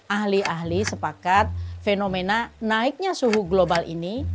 ahli ahli sepakat fenomena naiknya suhu global ini